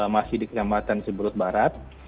masih di kecamatan seberut barat